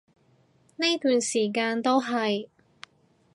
呢段時間都係